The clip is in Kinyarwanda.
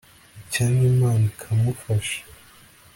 icyampa imana ikamufasha